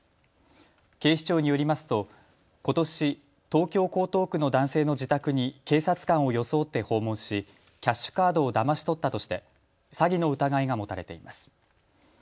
警視庁によりますとことし東京江東区の男性の自宅に警察官を装って訪問しキャッシュカードをだまし取ったとして詐欺の疑いが持たれています。